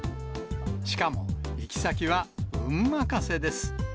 しかも行先は運任せです。